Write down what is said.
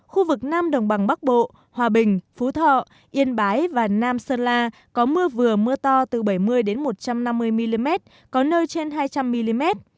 khu vực nam đồng bằng bắc bộ hòa bình phú thọ yên bái và nam sơn la có mưa vừa mưa to từ bảy mươi một trăm năm mươi mm có nơi trên hai trăm linh mm